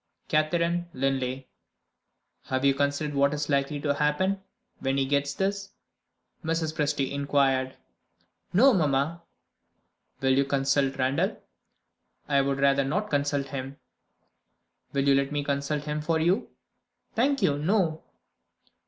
Catherine Linley." "Have you considered what is likely to happen, when he gets this?" Mrs. Presty inquired. "No, mamma." "Will you consult Randal?" "I would rather not consult him." "Will you let me consult him for you?" "Thank you no."